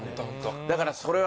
だからそれは。